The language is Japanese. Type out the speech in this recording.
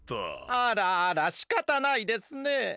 あらあらしかたないですね。